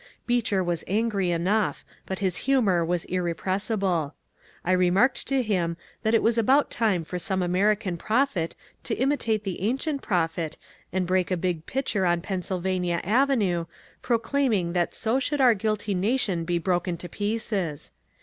Beecher was angry enough, but his humour was irrepressible. I remarked to him that it was about time for some American prophet to imitate the ancient prophet and break a big pitcher on Pennsylvania Avenue, proclaiming that so should our guilty nation be broken to pieces.